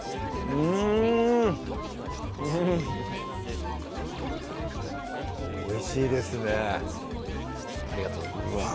うんおいしいですねありがとうございますうわ